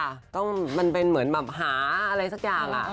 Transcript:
ต้องมันเป็นเหมือนแบบหาอะไรสักอย่าง